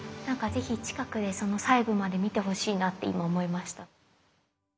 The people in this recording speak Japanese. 是非近くで細部まで見てほしいなって今思いました。